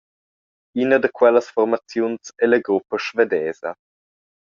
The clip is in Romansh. Ina da quellas formaziuns ei la gruppa svedesa.